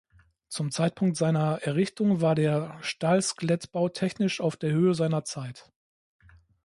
Zum Zeitpunkt seiner Errichtung war der Stahlskelettbau technisch auf der Höhe seiner Zeit.